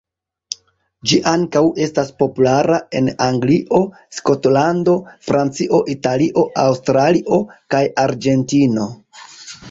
Ĝi ankaŭ estas populara en Anglio, Skotlando, Francio, Italio, Aŭstralio, kaj Argentino.